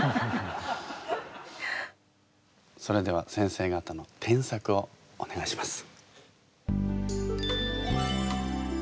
それでは先生方の添削をお願いします。